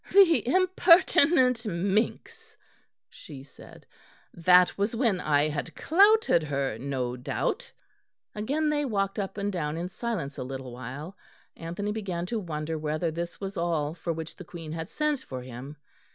"The impertinent minx!" she said, "that was when I had clouted her, no doubt." Again they walked up and down in silence a little while. Anthony began to wonder whether this was all for which the Queen had sent for him.